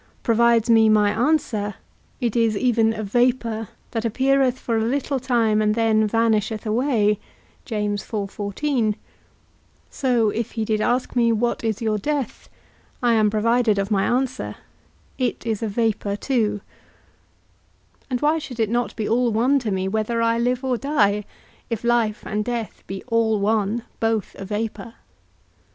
_ provides me my answer, It is even a vapour, that appeareth for a little time, and then vanisheth away; so, if he did ask me what is your death, I am provided of my answer, it is a vapour too; and why should it not be all one to me, whether I live or die, if life and death be all one, both a vapour?